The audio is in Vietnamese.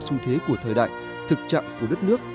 xu thế của thời đại thực trạng của đất nước